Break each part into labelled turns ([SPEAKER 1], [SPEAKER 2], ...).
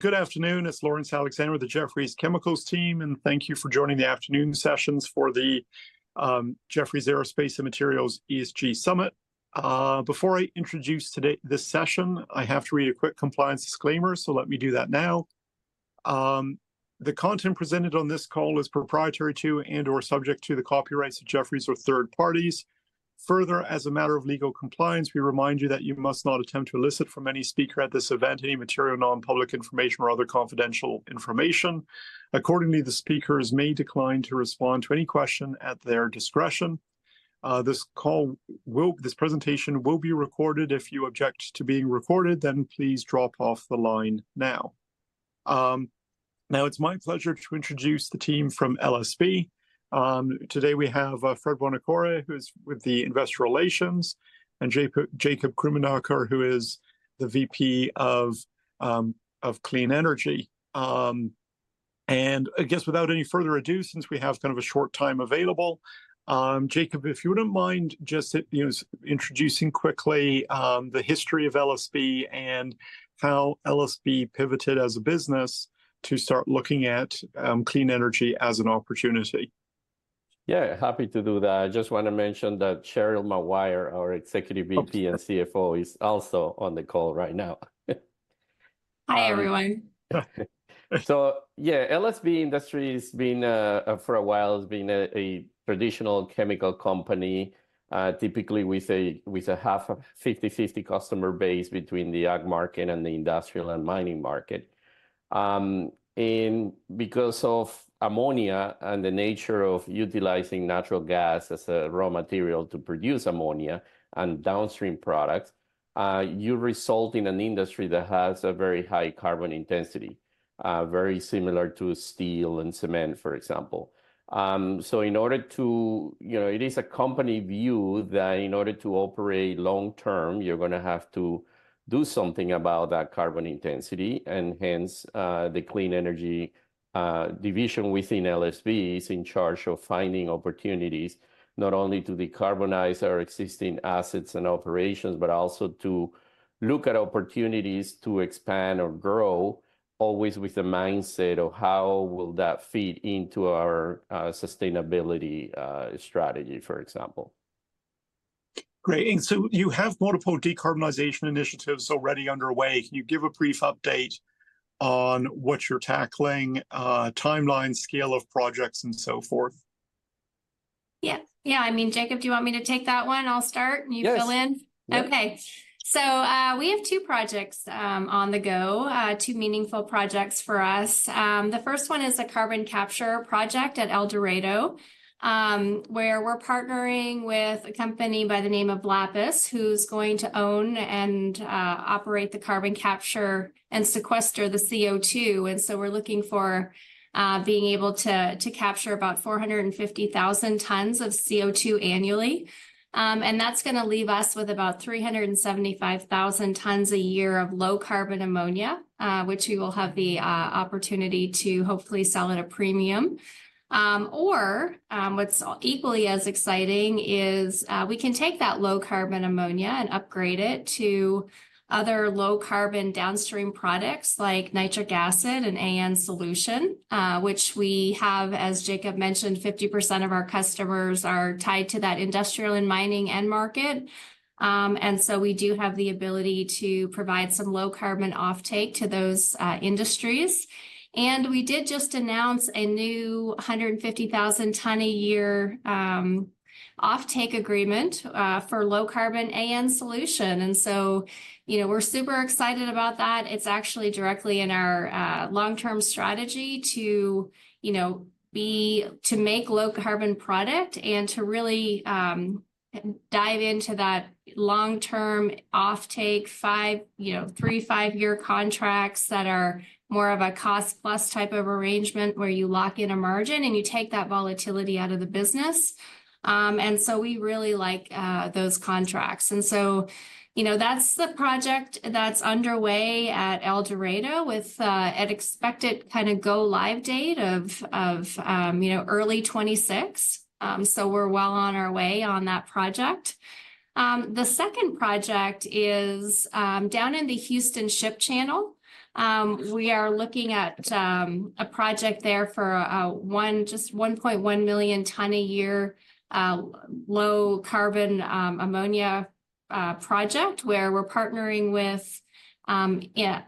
[SPEAKER 1] Good afternoon. It's Laurence Alexander with the Jefferies Chemicals team, and thank you for joining the afternoon sessions for the Jefferies Aerospace and Materials ESG Summit. Before I introduce today this session, I have to read a quick compliance disclaimer, so let me do that now. The content presented on this call is proprietary to and/or subject to the copyrights of Jefferies or third-parties. Further, as a matter of legal compliance, we remind you that you must not attempt to elicit from any speaker at this event any material nonpublic information or other confidential information. Accordingly, the speakers may decline to respond to any question at their discretion. This presentation will be recorded. If you object to being recorded, then please drop off the line now. Now, it's my pleasure to introduce the team from LSB. Today we have Fred Buonocore, who is with the Investor Relations, and Jakob Krummenacher, who is the VP of Clean Energy. I guess, without any further ado, since we have kind of a short time available, Jakob, if you wouldn't mind just introducing quickly the history of LSB and how LSB pivoted as a business to start looking at clean energy as an opportunity.
[SPEAKER 2] Yeah, happy to do that. I just want to mention that Cheryl Maguire, our Executive VP and CFO, is also on the call right now.
[SPEAKER 3] Hi, everyone.
[SPEAKER 2] So, yeah, LSB Industries has been a traditional chemical company, typically with a half 50/50 customer base between the ag market and the industrial and mining market. And because of ammonia and the nature of utilizing natural gas as a raw material to produce ammonia and downstream products, you result in an industry that has a very high carbon intensity, very similar to steel and cement, for example. So in order to, you know, it is a company view that in order to operate long-term, you're going to have to do something about that carbon intensity. And hence, the Clean Energy Division within LSB is in charge of finding opportunities not only to decarbonize our existing assets and operations, but also to look at opportunities to expand or grow, always with the mindset of how will that feed into our sustainability strategy, for example.
[SPEAKER 1] Great. And so you have multiple decarbonization initiatives already underway. Can you give a brief update on what you're tackling, timeline, scale of projects, and so forth?
[SPEAKER 3] Yeah. Yeah. I mean, Jakob, do you want me to take that one? I'll start and you fill in.
[SPEAKER 2] Yes.
[SPEAKER 3] Okay. So we have two projects on the go, two meaningful projects for us. The first one is a carbon capture project at El Dorado, where we're partnering with a company by the name of Lapis, who's going to own and operate the carbon capture and sequestration of the CO2. And so we're looking for being able to capture about 450,000 tons of CO2 annually. And that's going to leave us with about 375,000 tons a year of low-carbon ammonia, which we will have the opportunity to hopefully sell at a premium. Or what's equally as exciting is we can take that low-carbon ammonia and upgrade it to other low-carbon downstream products like nitric acid and AN solution, which we have, as Jakob mentioned, 50% of our customers are tied to that industrial and mining end market. We do have the ability to provide some low-carbon offtake to those industries. We did just announce a new 150,000 tons a year offtake agreement for low-carbon AN solution. We're super excited about that. It's actually directly in our long-term strategy to make low-carbon product and to really dive into that long-term offtake, three and five-year contracts that are more of a cost-plus type of arrangement where you lock in a margin and you take that volatility out of the business. We really like those contracts. That's the project that's underway at El Dorado with an expected kind of go-live date of early 2026. We're well on our way on that project. The second project is down in the Houston Ship Channel. We are looking at a project there for just 1.1 million tons a year low-carbon ammonia project where we're partnering with,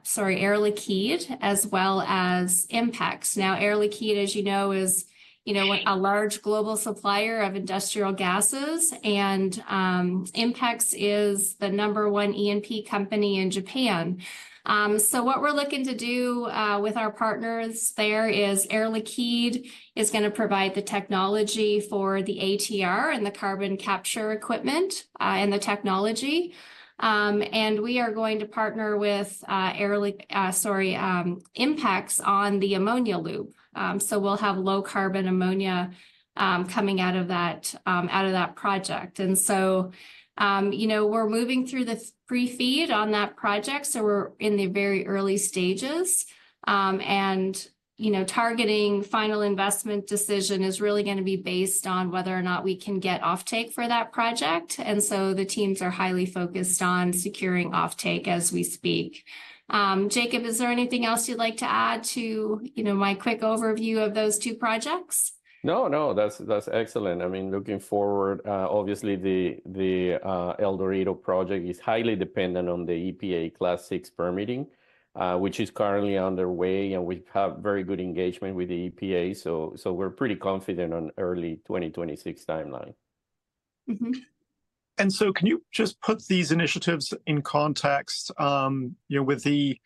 [SPEAKER 3] sorry, Air Liquide as well as INPEX. Now, Air Liquide, as you know, is a large global supplier of industrial gases, and INPEX is the number one E&P company in Japan. So what we're looking to do with our partners there is Air Liquide is going to provide the technology for the ATR and the carbon capture equipment and the technology. And we are going to partner with Air Liquide, sorry, INPEX on the ammonia loop. So we'll have low-carbon ammonia coming out of that project. And so we're moving through the pre-FEED on that project. So we're in the very early stages. And targeting final investment decision is really going to be based on whether or not we can get offtake for that project. And so the teams are highly focused on securing offtake as we speak. Jakob, is there anything else you'd like to add to my quick overview of those two projects?
[SPEAKER 2] No, no, that's excellent. I mean, looking forward, obviously, the El Dorado project is highly dependent on the EPA Class VI permitting, which is currently underway, and we have very good engagement with the EPA. So we're pretty confident on early 2026 timeline.
[SPEAKER 1] Can you just put these initiatives in context with the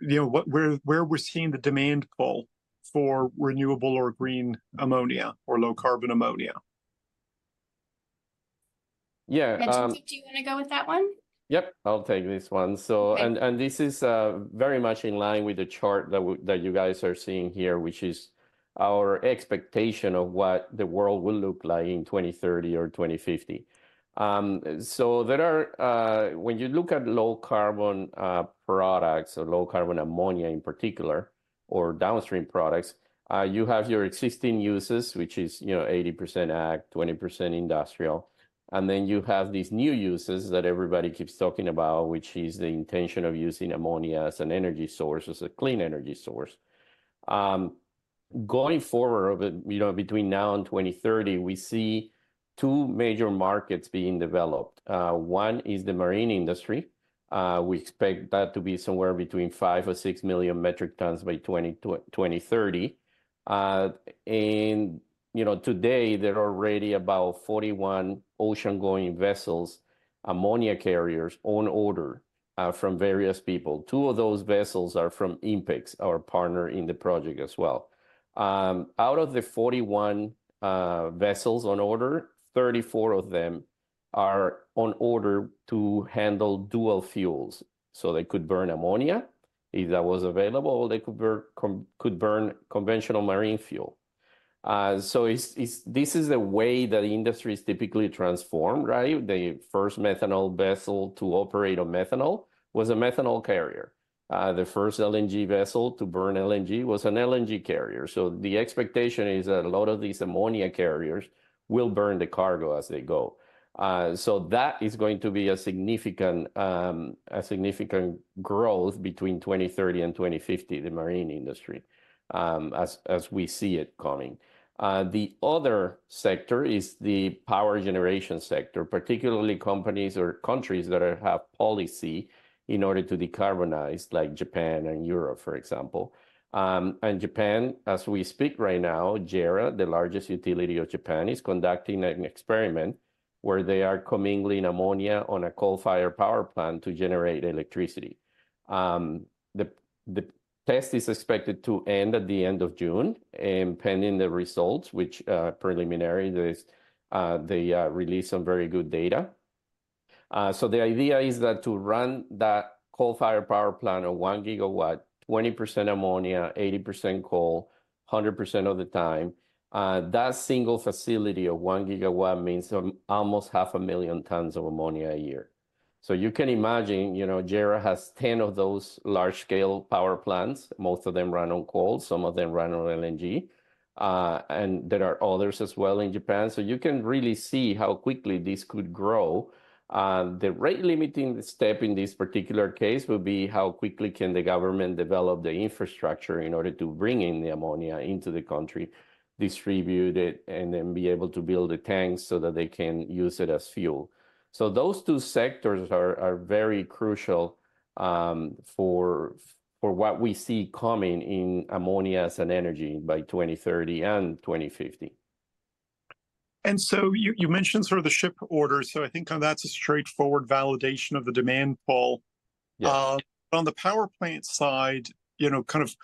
[SPEAKER 1] where we're seeing the demand pull for renewable or green ammonia or low carbon ammonia?
[SPEAKER 2] Yeah.
[SPEAKER 3] Jakob, did you want to go with that one?
[SPEAKER 2] Yep, I'll take this one. This is very much in line with the chart that you guys are seeing here, which is our expectation of what the world will look like in 2030 or 2050. When you look at low carbon products or low carbon ammonia in particular or downstream products, you have your existing uses, which is 80% ag, 20% industrial. Then you have these new uses that everybody keeps talking about, which is the intention of using ammonia as an energy source, as a clean energy source. Going forward, between now and 2030, we see two major markets being developed. One is the marine industry. We expect that to be somewhere between 5 or 6 million metric tons by 2030. Today, there are already about 41 ocean-going vessels, ammonia carriers on order from various people. Two of those vessels are from INPEX, our partner in the project as well. Out of the 41 vessels on order, 34 of them are on order to handle dual fuels. So they could burn ammonia if that was available, or they could burn conventional marine fuel. So this is the way that the industry is typically transformed, right? The first methanol vessel to operate on methanol was a methanol carrier. The first LNG vessel to burn LNG was an LNG carrier. So the expectation is that a lot of these ammonia carriers will burn the cargo as they go. So that is going to be a significant growth between 2030 and 2050, the marine industry, as we see it coming. The other sector is the power generation sector, particularly companies or countries that have policy in order to decarbonize, like Japan and Europe, for example. Japan, as we speak right now, JERA, the largest utility of Japan, is conducting an experiment where they are commingling ammonia on a coal-fired power plant to generate electricity. The test is expected to end at the end of June, and, pending the results, which, preliminary, they release some very good data. So the idea is that to run that coal-fired power plant of 1 GW, 20% ammonia, 80% coal, 100% of the time, that single facility of 1 GW means almost 500,000 tons of ammonia a year. So you can imagine JERA has 10 of those large-scale power plants. Most of them run on coal. Some of them run on LNG. And there are others as well in Japan. So you can really see how quickly this could grow. The rate-limiting step in this particular case would be how quickly can the government develop the infrastructure in order to bring in the ammonia into the country, distribute it, and then be able to build the tanks so that they can use it as fuel. Those two sectors are very crucial for what we see coming in ammonia as an energy by 2030 and 2050.
[SPEAKER 1] You mentioned sort of the ship orders. I think that's a straightforward validation of the demand pull. On the power plant side, kind of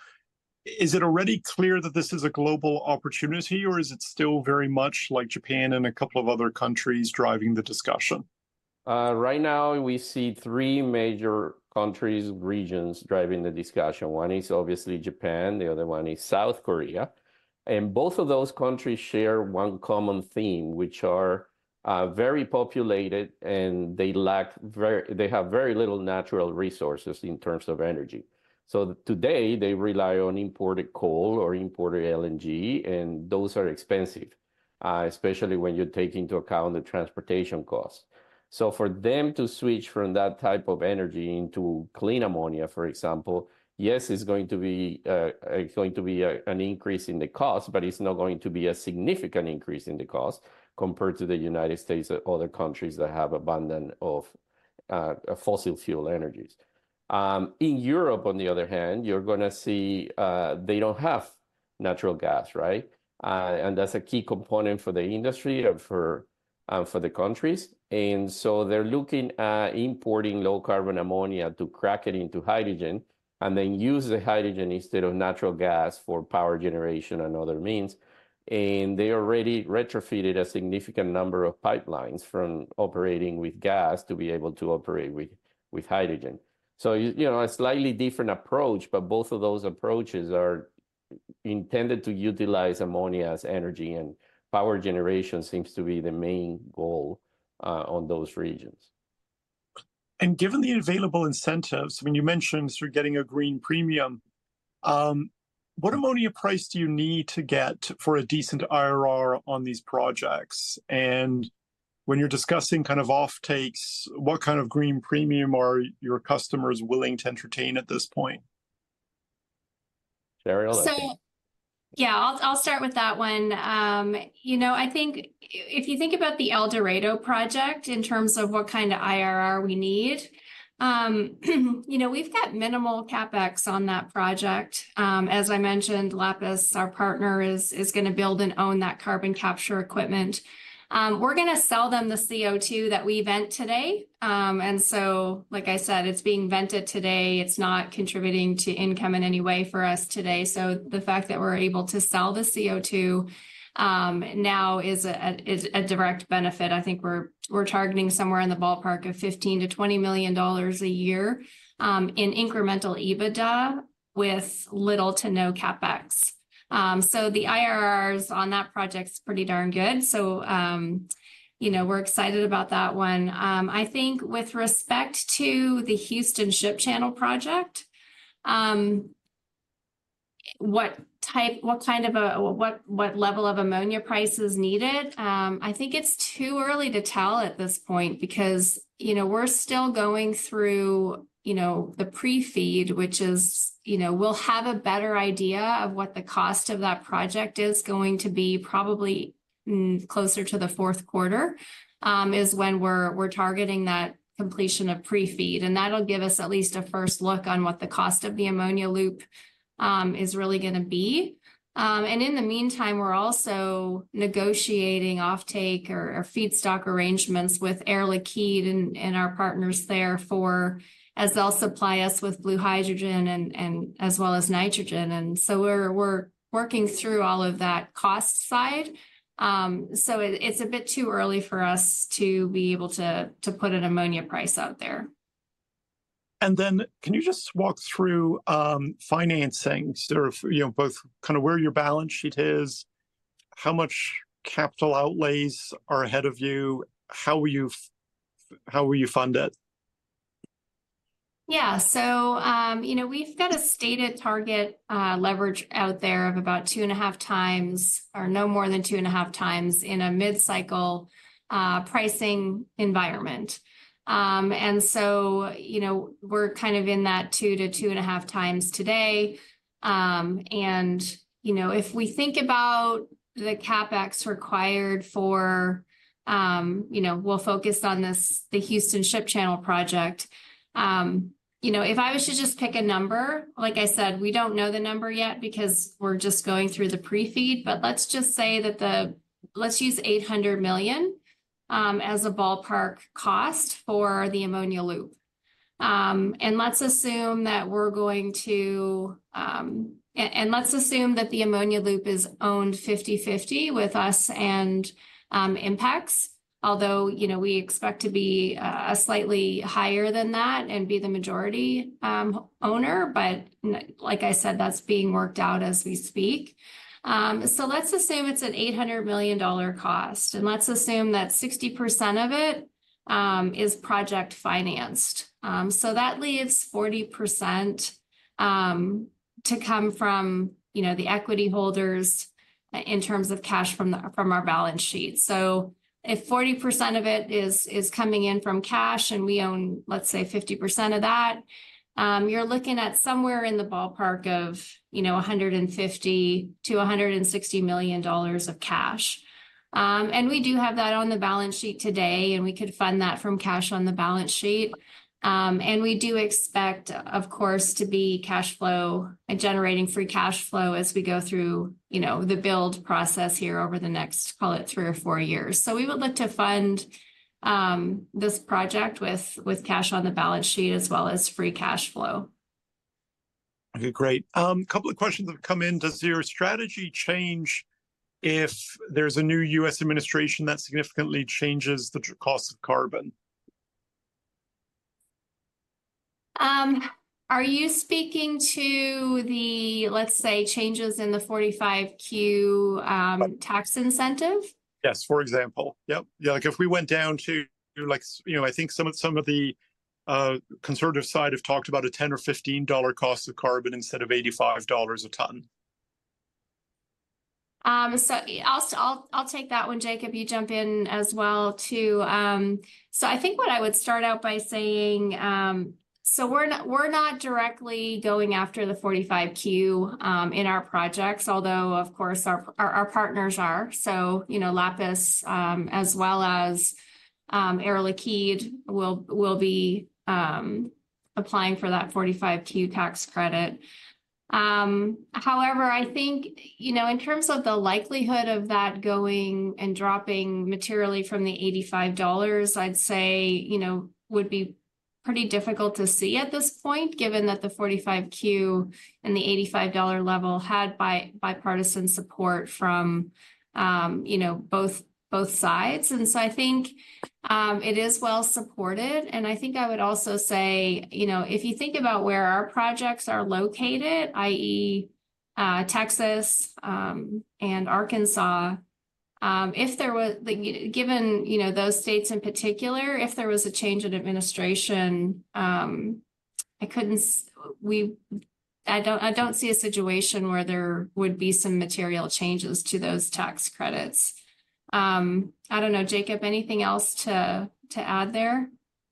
[SPEAKER 1] is it already clear that this is a global opportunity, or is it still very much like Japan and a couple of other countries driving the discussion?
[SPEAKER 2] Right now, we see three major countries, regions driving the discussion. One is obviously Japan. The other one is South Korea. Both of those countries share one common theme, which are very populated, and they have very little natural resources in terms of energy. So today, they rely on imported coal or imported LNG, and those are expensive, especially when you take into account the transportation costs. So for them to switch from that type of energy into clean ammonia, for example, yes, it's going to be an increase in the cost, but it's not going to be a significant increase in the cost compared to the United States and other countries that have abundance of fossil fuel energies. In Europe, on the other hand, you're going to see they don't have natural gas, right? And that's a key component for the industry and for the countries. And so they're looking at importing low-carbon ammonia to crack it into hydrogen and then use the hydrogen instead of natural gas for power generation and other means. And they already retrofitted a significant number of pipelines from operating with gas to be able to operate with hydrogen. So a slightly different approach, but both of those approaches are intended to utilize ammonia as energy, and power generation seems to be the main goal on those regions.
[SPEAKER 1] Given the available incentives, I mean, you mentioned sort of getting a green premium. What ammonia price do you need to get for a decent IRR on these projects? When you're discussing kind of offtakes, what kind of green premium are your customers willing to entertain at this point?
[SPEAKER 2] Cheryl?
[SPEAKER 3] Yeah, I'll start with that one. You know, I think if you think about the El Dorado project in terms of what kind of IRR we need, you know, we've got minimal CapEx on that project. As I mentioned, Lapis, our partner, is going to build and own that carbon capture equipment. We're going to sell them the CO2 that we vent today. And so, like I said, it's being vented today. It's not contributing to income in any way for us today. So the fact that we're able to sell the CO2 now is a direct benefit. I think we're targeting somewhere in the ballpark of $15 million-$20 million a year in incremental EBITDA with little to no CapEx. So the IRRs on that project is pretty darn good. So we're excited about that one. I think with respect to the Houston Ship Channel project, what kind of a level of ammonia price is needed. I think it's too early to tell at this point because we're still going through the pre-FEED, which is we'll have a better idea of what the cost of that project is going to be probably closer to the fourth quarter is when we're targeting that completion of pre-FEED. And that'll give us at least a first look on what the cost of the ammonia loop is really going to be. And in the meantime, we're also negotiating offtake or feedstock arrangements with Air Liquide and our partners there for as they'll supply us with blue hydrogen as well as nitrogen. And so we're working through all of that cost side. So it's a bit too early for us to be able to put an ammonia price out there.
[SPEAKER 1] And then can you just walk through financing? So both kind of where your balance sheet is, how much capital outlays are ahead of you, how will you fund it?
[SPEAKER 3] Yeah. So we've got a stated target leverage out there of about 2.5x or no more than 2.5x in a mid-cycle pricing environment. And so we're kind of in that 2x-2.5x today. And if we think about the CapEx required for we'll focus on the Houston Ship Channel project. If I was to just pick a number, like I said, we don't know the number yet because we're just going through the pre-FEED, but let's just say that the let's use $800 million as a ballpark cost for the ammonia loop. And let's assume that we're going to and let's assume that the ammonia loop is owned 50/50 with us and INPEX, although we expect to be slightly higher than that and be the majority owner. But like I said, that's being worked out as we speak. So let's assume it's an $800 million cost. And let's assume that 60% of it is project-financed. So that leaves 40% to come from the equity holders in terms of cash from our balance sheet. So if 40% of it is coming in from cash and we own, let's say, 50% of that, you're looking at somewhere in the ballpark of $150 million-$160 million of cash. And we do have that on the balance sheet today, and we could fund that from cash on the balance sheet. And we do expect, of course, to be cash flow and generating free cash flow as we go through the build process here over the next, call it, three or four years. We would look to fund this project with cash on the balance sheet as well as free cash flow.
[SPEAKER 1] Okay, great. A couple of questions have come in. Does your strategy change if there's a new U.S. administration that significantly changes the cost of carbon?
[SPEAKER 3] Are you speaking to the, let's say, changes in the 45Q tax incentive?
[SPEAKER 1] Yes, for example. Yep. Yeah, like if we went down to I think some of the conservative side have talked about a $10 or $15 cost of carbon instead of $85 a ton.
[SPEAKER 3] So I'll take that one, Jakob, you jump in as well too. So I think what I would start out by saying, so we're not directly going after the 45Q in our projects, although, of course, our partners are. So Lapis, as well as Air Liquide, will be applying for that 45Q tax credit. However, I think in terms of the likelihood of that going and dropping materially from the $85, I'd say would be pretty difficult to see at this point, given that the 45Q and the $85 level had bipartisan support from both sides. And so I think it is well supported. I think I would also say, if you think about where our projects are located, i.e., Texas and Arkansas, given those states in particular, if there was a change in administration, I don't see a situation where there would be some material changes to those tax credits. I don't know, Jakob, anything else to add there?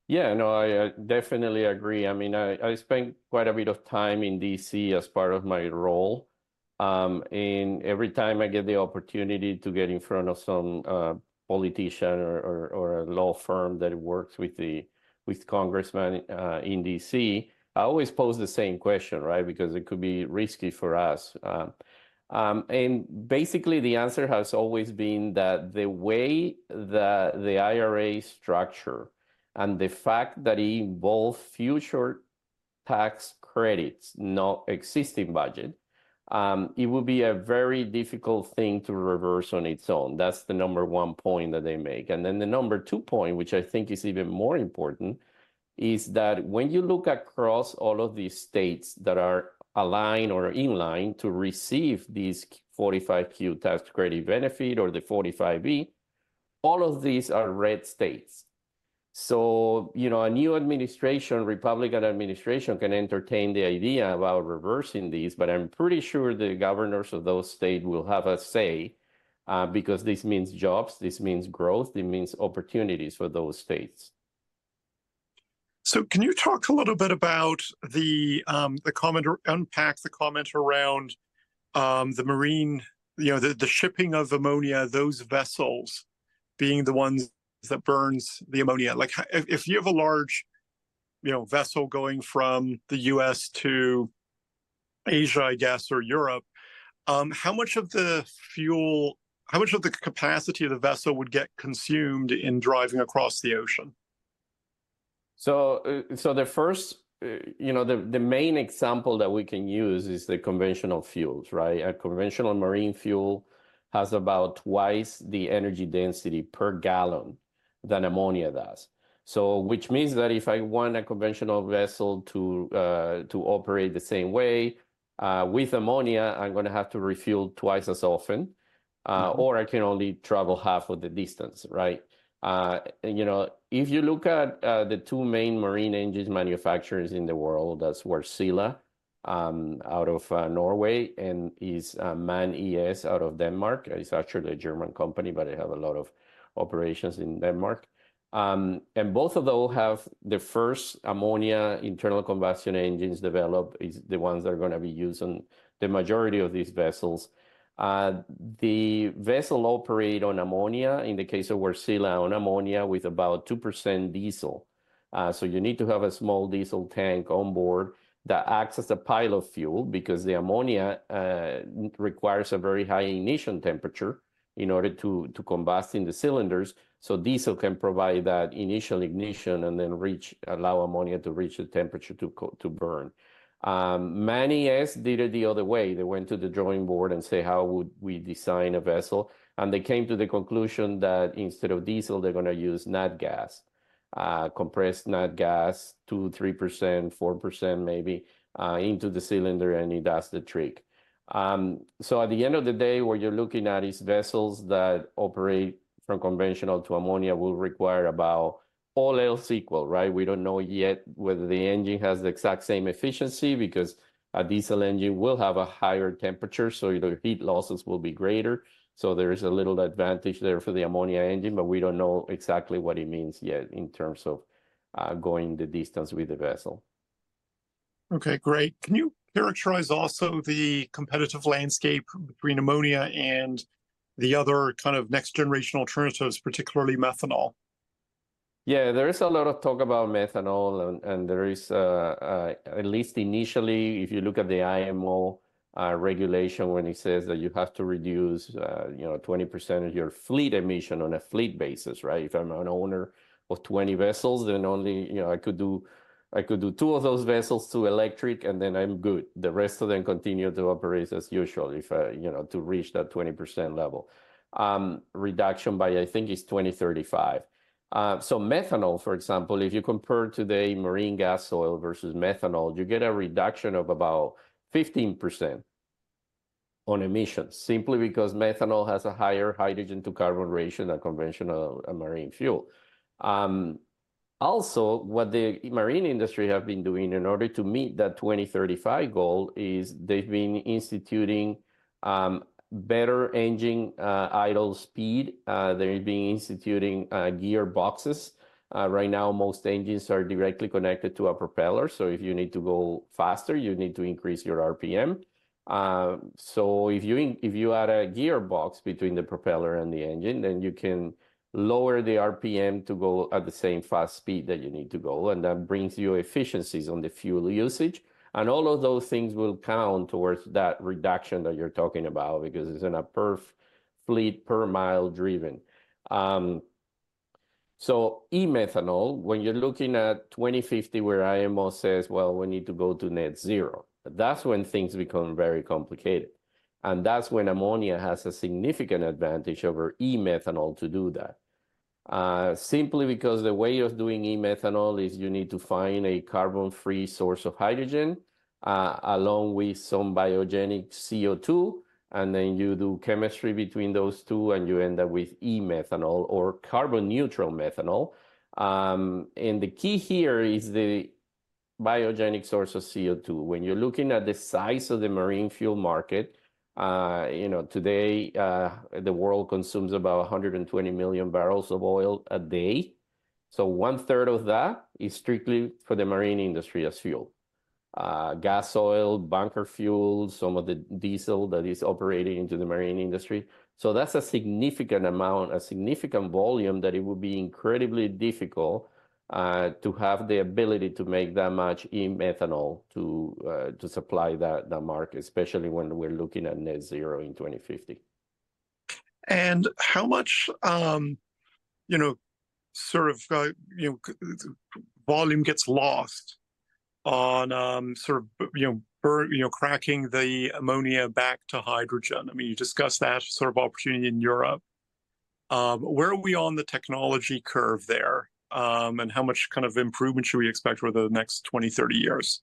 [SPEAKER 2] Yeah, no, I definitely agree. I mean, I spent quite a bit of time in D.C. as part of my role. And every time I get the opportunity to get in front of some politician or a law firm that works with congressmen in D.C., I always pose the same question, right? Because it could be risky for us. And basically, the answer has always been that the way that the IRA structure and the fact that it involves future tax credits, not existing budget, it would be a very difficult thing to reverse on its own. That's the number one point that they make. And then the number two point, which I think is even more important, is that when you look across all of these states that are aligned or in line to receive this 45Q tax credit benefit or the 45V, all of these are red states. So a new administration, Republican administration, can entertain the idea about reversing these, but I'm pretty sure the governors of those states will have a say because this means jobs, this means growth, it means opportunities for those states.
[SPEAKER 1] Can you talk a little bit about the, unpack the comment around the marine, the shipping of ammonia, those vessels being the ones that burn the ammonia? If you have a large vessel going from the U.S. to Asia, I guess, or Europe, how much of the fuel, how much of the capacity of the vessel would get consumed in driving across the ocean?
[SPEAKER 2] So the main example that we can use is the conventional fuels, right? A conventional marine fuel has about twice the energy density per gallon than ammonia does. So which means that if I want a conventional vessel to operate the same way with ammonia, I'm going to have to refuel twice as often, or I can only travel half of the distance, right? If you look at the two main marine engines manufacturers in the world, that's Wärtsilä out of Norway and is MAN ES out of Denmark. It's actually a German company, but they have a lot of operations in Denmark. And both of those have the first ammonia internal combustion engines developed is the ones that are going to be used on the majority of these vessels. The vessel operates on ammonia. In the case of Wärtsilä, on ammonia with about 2% diesel. So you need to have a small diesel tank on board that acts as a pile of fuel because the ammonia requires a very high ignition temperature in order to combust in the cylinders. So diesel can provide that initial ignition and then allow ammonia to reach the temperature to burn. MAN ES did it the other way. They went to the drawing board and said, how would we design a vessel? And they came to the conclusion that instead of diesel, they're going to use natural gas, compressed natural gas, 2%, 3%, 4% maybe into the cylinder, and that's the trick. So at the end of the day, what you're looking at is vessels that operate from conventional to ammonia will require about all else equal, right? We don't know yet whether the engine has the exact same efficiency because a diesel engine will have a higher temperature, so the heat losses will be greater. So there is a little advantage there for the ammonia engine, but we don't know exactly what it means yet in terms of going the distance with the vessel.
[SPEAKER 1] Okay, great. Can you characterize also the competitive landscape between ammonia and the other kind of next generation alternatives, particularly methanol?
[SPEAKER 2] Yeah, there is a lot of talk about methanol, and there is, at least initially, if you look at the IMO regulation when it says that you have to reduce 20% of your fleet emission on a fleet basis, right? If I'm an owner of 20 vessels, then only I could do two of those vessels to electric, and then I'm good. The rest of them continue to operate as usual to reach that 20% level. Reduction by, I think, is 2035. So methanol, for example, if you compare today marine gas oil versus methanol, you get a reduction of about 15% on emissions simply because methanol has a higher hydrogen to carbon ratio than conventional marine fuel. Also, what the marine industry has been doing in order to meet that 2035 goal is they've been instituting better engine idle speed. They've been instituting gearboxes. Right now, most engines are directly connected to a propeller. So if you need to go faster, you need to increase your RPM. So if you add a gearbox between the propeller and the engine, then you can lower the RPM to go at the same fast speed that you need to go. And that brings you efficiencies on the fuel usage. And all of those things will count towards that reduction that you're talking about because it's in a per fleet per mile driven. So e-methanol, when you're looking at 2050, where IMO says, well, we need to go to net zero, that's when things become very complicated. And that's when ammonia has a significant advantage over e-methanol to do that. Simply because the way of doing e-methanol is you need to find a carbon-free source of hydrogen along with some biogenic CO2, and then you do chemistry between those two, and you end up with e-methanol or carbon-neutral methanol. The key here is the biogenic source of CO2. When you're looking at the size of the marine fuel market, today, the world consumes about 120 million barrels of oil a day. One third of that is strictly for the marine industry as fuel. Gas oil, bunker fuel, some of the diesel that is operating into the marine industry. That's a significant amount, a significant volume that it would be incredibly difficult to have the ability to make that much e-methanol to supply that market, especially when we're looking at net zero in 2050.
[SPEAKER 1] How much sort of volume gets lost on sort of cracking the ammonia back to hydrogen? I mean, you discussed that sort of opportunity in Europe. Where are we on the technology curve there? How much kind of improvement should we expect over the next 20-30 years?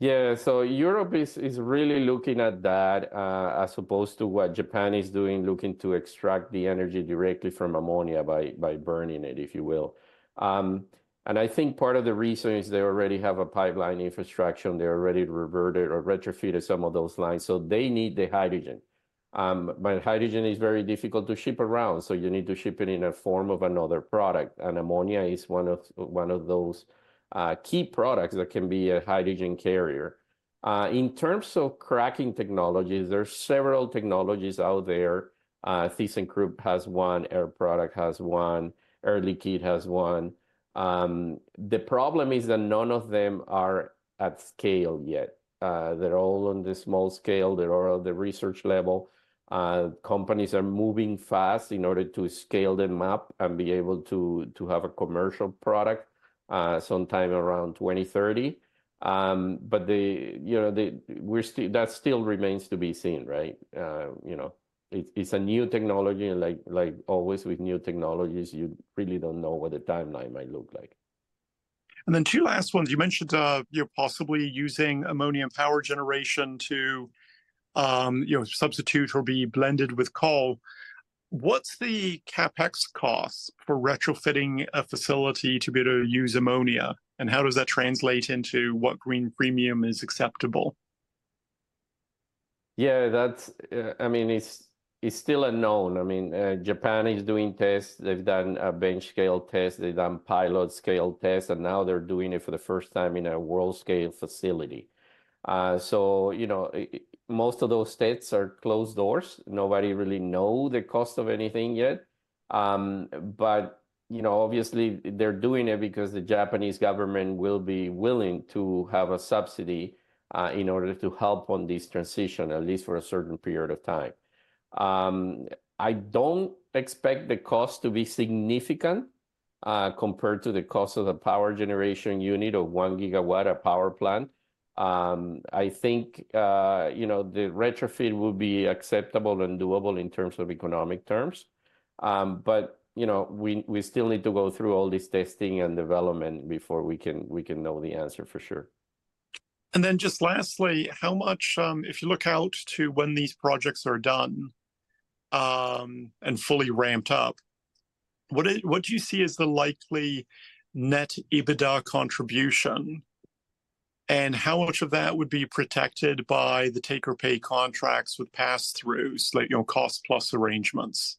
[SPEAKER 2] Yeah, so Europe is really looking at that as opposed to what Japan is doing, looking to extract the energy directly from ammonia by burning it, if you will. I think part of the reason is they already have a pipeline infrastructure. They already reverted or retrofitted some of those lines. So they need the hydrogen. But hydrogen is very difficult to ship around. So you need to ship it in a form of another product. And ammonia is one of those key products that can be a hydrogen carrier. In terms of cracking technologies, there are several technologies out there. thyssenkrupp has one. Air Products has one. Air Liquide has one. The problem is that none of them are at scale yet. They're all on the small-scale. They're all at the research level. Companies are moving fast in order to scale them up and be able to have a commercial product sometime around 2030. But that still remains to be seen, right? It's a new technology. And like always with new technologies, you really don't know what the timeline might look like.
[SPEAKER 1] And then two last ones. You mentioned you're possibly using ammonia power generation to substitute or be blended with coal. What's the CapEx cost for retrofitting a facility to be able to use ammonia? And how does that translate into what green premium is acceptable?
[SPEAKER 2] Yeah, I mean, it's still unknown. I mean, Japan is doing tests. They've done a bench scale test. They've done pilot scale tests. And now they're doing it for the first time in a world scale facility. So most of those tests are closed doors. Nobody really knows the cost of anything yet. But obviously, they're doing it because the Japanese government will be willing to have a subsidy in order to help on this transition, at least for a certain period of time. I don't expect the cost to be significant compared to the cost of the power generation unit of 1 GW, a power plant. I think the retrofit would be acceptable and doable in terms of economic terms. But we still need to go through all this testing and development before we can know the answer for sure.
[SPEAKER 1] Then just lastly, how much, if you look out to when these projects are done and fully ramped up, what do you see as the likely net EBITDA contribution? And how much of that would be protected by the take-or-pay contracts with pass-throughs, like cost-plus arrangements?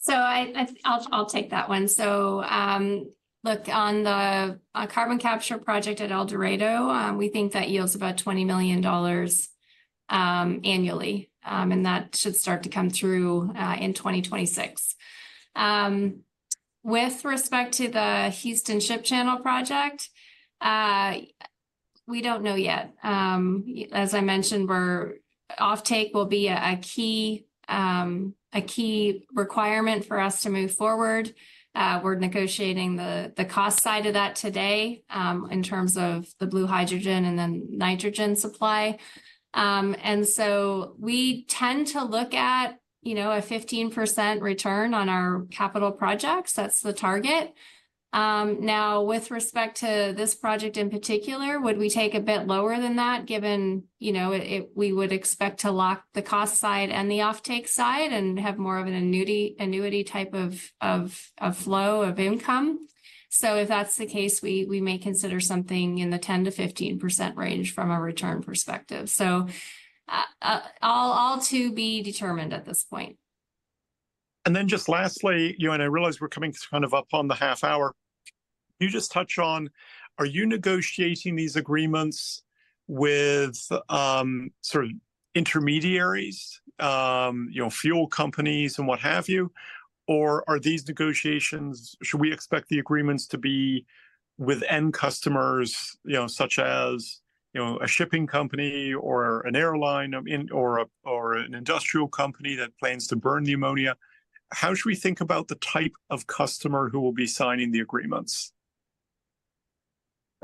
[SPEAKER 3] So I'll take that one. So look, on the carbon capture project at El Dorado, we think that yields about $20 million annually. And that should start to come through in 2026. With respect to the Houston Ship Channel project, we don't know yet. As I mentioned, off-take will be a key requirement for us to move forward. We're negotiating the cost side of that today in terms of the blue hydrogen and then nitrogen supply. And so we tend to look at a 15% return on our capital projects. That's the target. Now, with respect to this project in particular, would we take a bit lower than that given we would expect to lock the cost side and the off-take side and have more of an annuity type of flow of income? So if that's the case, we may consider something in the 10%-15% range from a return perspective. So all to be determined at this point.
[SPEAKER 1] Then just lastly, and I realize we're coming kind of up on the half hour, can you just touch on, are you negotiating these agreements with sort of intermediaries, fuel companies and what have you? Or are these negotiations, should we expect the agreements to be with end customers such as a shipping company or an airline or an industrial company that plans to burn the ammonia? How should we think about the type of customer who will be signing the agreements?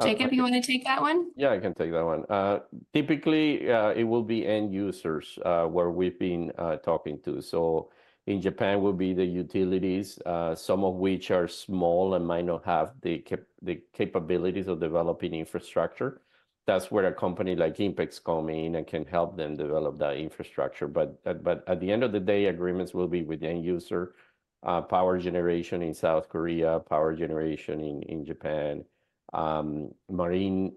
[SPEAKER 3] Jakob, you want to take that one?
[SPEAKER 2] Yeah, I can take that one. Typically, it will be end users where we've been talking to. So in Japan, it will be the utilities, some of which are small and might not have the capabilities of developing infrastructure. That's where a company like INPEX comes in and can help them develop that infrastructure. But at the end of the day, agreements will be with the end user. Power generation in South Korea, power generation in Japan. Marine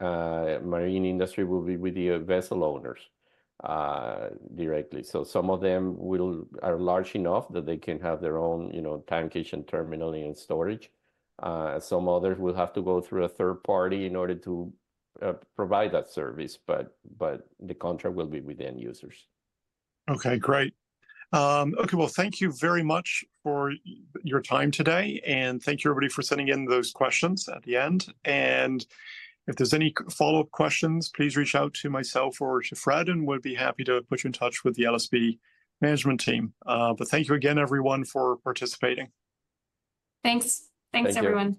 [SPEAKER 2] industry will be with the vessel owners directly. So some of them are large enough that they can have their own tankage and terminal and storage. Some others will have to go through a third-party in order to provide that service. But the contract will be with end users.
[SPEAKER 1] Okay, great. Okay, well, thank you very much for your time today. Thank you, everybody, for sending in those questions at the end. If there's any follow-up questions, please reach out to myself or to Fred, and we'll be happy to put you in touch with the LSB management team. Thank you again, everyone, for participating.
[SPEAKER 3] Thanks. Thanks, everyone.